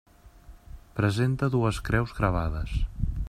Presenta dues creus gravades.